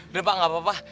udah pak gak apa apa